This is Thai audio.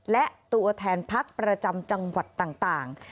และตัวแทนพักประจำจังหวัดต่าง